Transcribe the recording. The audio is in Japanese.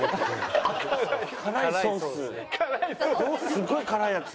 すっごい辛いやつ。